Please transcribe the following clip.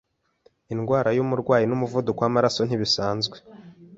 Indwara yumurwayi numuvuduko wamaraso nibisanzwe.